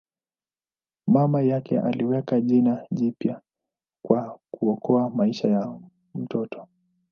Mama yake aliweka jina jipya kwa kuokoa maisha ya mtoto.